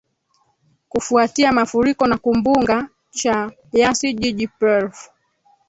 kufuatia mafuriko na kumbunga cha yasi jiji perf